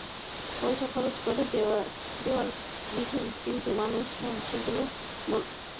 পয়সা খরচ করে দেয়াল লিখতেন, কিন্তু মানুষ সেগুলো মলমূত্র দিয়ে ঢেকে দিত।